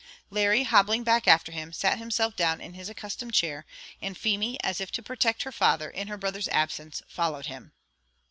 Larry, hobbling back after him, sat himself down in his accustomed chair, and Feemy, as if to protect her father in her brother's absence, followed him.